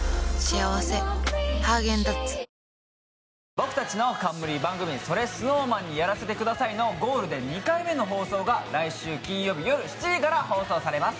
僕たちの冠番組「それＳｎｏｗＭａｎにやらせて下さい」のゴールデン２回目の放送が来週金曜日夜７時から放送されます。